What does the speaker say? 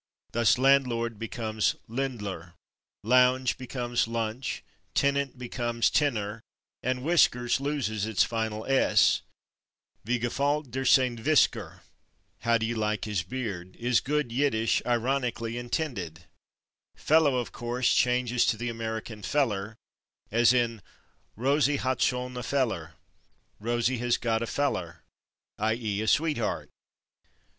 Thus, /landlord/ becomes /lendler/, /lounge/ becomes /lunch/, /tenant/ becomes /tenner/, and /whiskers/ loses its final /s/. "Wie gefällt dir sein /whisker/?" (=how do you like his beard?) [Pg157] is good Yiddish, ironically intended. /Fellow/, of course, changes to the American /feller/, as in "Rosie hat schon a /feller/" (=Rosie has got a /feller/, /i. e./, a sweetheart).